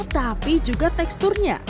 tapi juga teksturnya